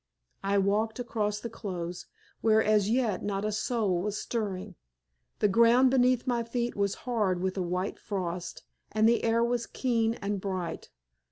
I walked across the close, where as yet not a soul was stirring. The ground beneath my feet was hard with a white frost, and the air was keen and bright.